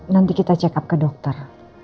nanti kita check up ke dokter